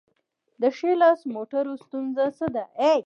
د ښي لاس موټرو ستونزه څه ده؟